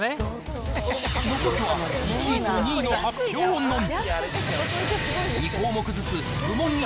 残すは１位と２位の発表のみ。